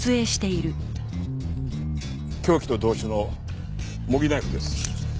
「凶器と同種の模擬ナイフです」